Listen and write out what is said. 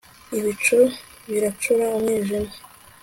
ibicu biracura umwijima